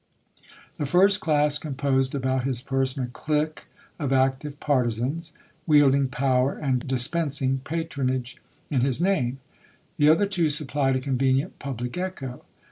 The first class composed about his person a clique of active partisans, wielding power and dispens ing patronage in his name ; the other two supphed a convenient pubhc echo.